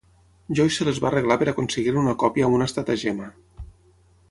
Joyce se les va arreglar per aconseguir-ne una còpia amb un estratagema.